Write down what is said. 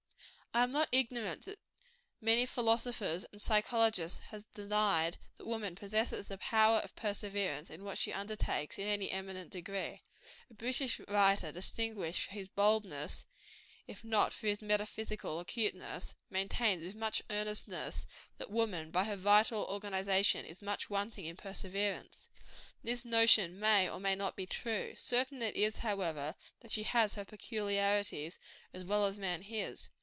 I am not ignorant that many philosophers and physiologists have denied that woman possesses the power of perseverance in what she undertakes, in any eminent degree. A British writer, distinguished for his boldness, if not for his metaphysical acuteness, maintains with much earnestness, that woman, by her vital organization, is much wanting in perseverance. This notion may or may not be true. Certain it is, however, that she has her peculiarities, as well as man his.